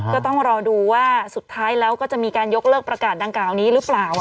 ก็ต้องรอดูว่าสุดท้ายแล้วก็จะมีการยกเลิกประกาศดังกล่าวนี้หรือเปล่า